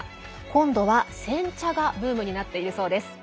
今度は、煎茶がブームになっているそうです。